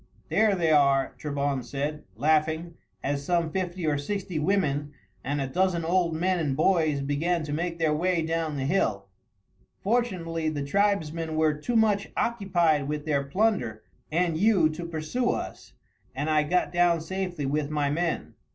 "There they are," Trebon said, laughing, as some fifty or sixty women and a dozen old men and boys began to make their way down the hill. "Fortunately the tribesmen were too much occupied with their plunder and you to pursue us, and I got down safely with my men.